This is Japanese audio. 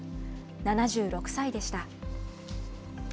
７６歳でした。